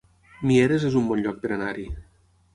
Mieres es un bon lloc per anar-hi